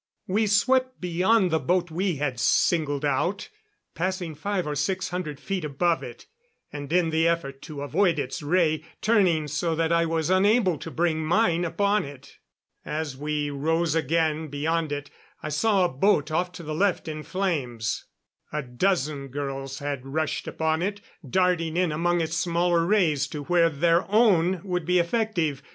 We swept beyond the boat we had singled out, passing five or six hundred feet above it, and in the effort to avoid its ray turning so that I was unable to bring mine upon it. As we rose again, beyond it, I saw a boat off to the left in flames. A dozen girls had rushed upon it, darting in among its smaller rays to where their own would be effective.